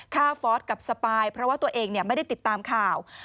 ฟอสกับสปายเพราะว่าตัวเองไม่ได้ติดตามข่าว